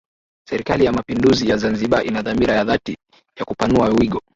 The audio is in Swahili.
Serikali ya Mapinduzi ya Zanzibar ina dhamira ya dhati ya kupanua wigo